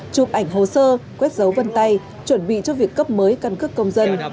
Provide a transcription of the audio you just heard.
chụp ảnh hồ sơ quét dấu vân tay chuẩn bị cho việc cấp mới căn cước công dân